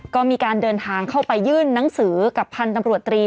ก็มีการเดินทางเข้าไปยื่นหนังสือกับพันธุ์ตำรวจตรี